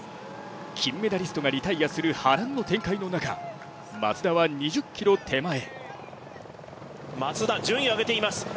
金メダリストがリタイアする波乱の展開の中、松田は２０ｋｍ手前松田、順位を上げています。